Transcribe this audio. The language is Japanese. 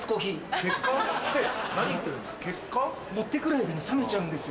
結果？持って来る間に冷めちゃうんですよ